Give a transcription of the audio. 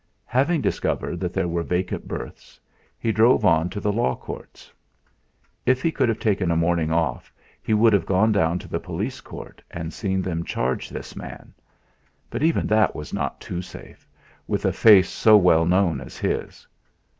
Having discovered that there were vacant berths, he drove on to the Law Courts. If he could have taken a morning off, he would have gone down to the police court and seen them charge this man. But even that was not too safe, with a face so well known as his.